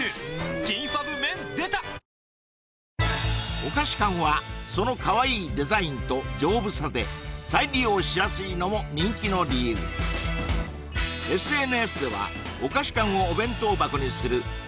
お菓子缶はそのかわいいデザインと丈夫さで再利用しやすいのも人気の理由ＳＮＳではお菓子缶をお弁当箱にする＃